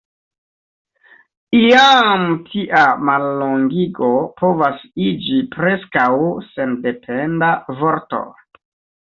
Iam tia mallongigo povas iĝi preskaŭ sendependa vorto.